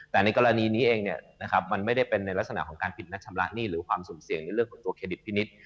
แต่ในกรณีนี้เองมันไม่ได้เป็นในลักษณะของการผิดนักชำระหนี้หรือความสุ่มเสี่ยงในเรื่องของตัวเครดิตพินิษฐ์